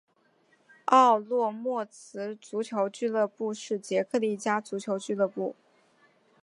奥洛莫茨足球俱乐部是捷克的一家足球俱乐部。